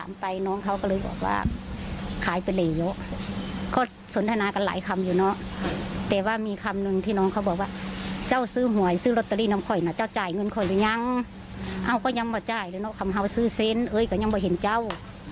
ก็ยังมาจ่ายเลยเนาะคำหาว่าซื้อเซนต์เอ้ยก็ยังมาเห็นเจ้า